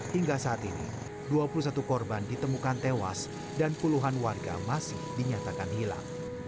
hingga saat ini dua puluh satu korban ditemukan tewas dan puluhan warga masih dinyatakan hilang